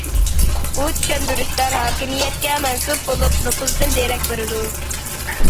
بۇ چۈشەندۈرۈشلەر ھاكىمىيەتكە مەنسۇپ بولۇپ نوپۇزدىن دېرەك بېرىدۇ.